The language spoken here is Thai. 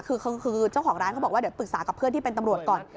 คือเจ้าของร้านเขาบอกว่าเดี๋ยวปรึกษากับเพื่อนที่เป็นตำรวจก่อน